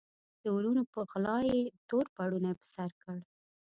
د وروڼو په غلا یې تور پوړنی پر سر کړ.